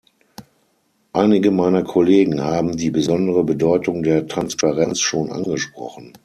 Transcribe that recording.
Einige meiner Kollegen haben die besondere Bedeutung der Transparenz schon angesprochen.